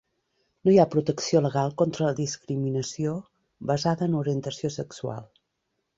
No hi ha protecció legal contra discriminació basada en orientació sexual.